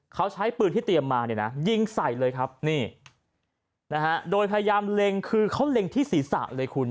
เขาใช้ปืนที่เตรียมมาเนี่ยนะยิงใส่เลยครับนี่นะฮะโดยพยายามเล็งคือเขาเล็งที่ศีรษะเลยคุณ